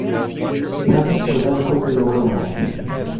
The peasants were then quickly overwhelmed.